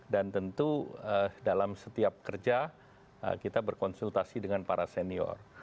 dan tentu dalam setiap kerja kita berkonsultasi dengan para senior